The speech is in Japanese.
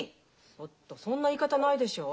ちょっとそんな言い方ないでしょう？